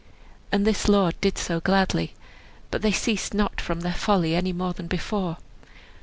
And this lord did so gladly. But they ceased not from their folly any more than before.